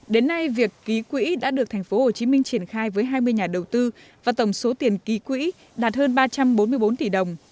đến nay việc ký quỹ đã được thành phố hồ chí minh triển khai với hai mươi nhà đầu tư và tổng số tiền ký quỹ đạt hơn ba trăm bốn mươi bốn tỷ đồng